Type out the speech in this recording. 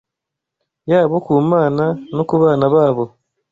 yabo ku Mana no ku bana babo